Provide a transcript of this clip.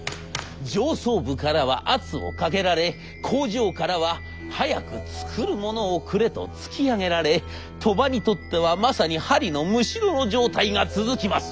上層部からは圧をかけられ工場からは「早く作るものをくれ」と突き上げられ鳥羽にとってはまさに針のむしろの状態が続きます。